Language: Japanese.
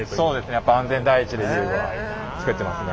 やっぱ安全第一で遊具は作ってますね。